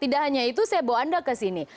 tidak hanya itu saya bawa anda ke sini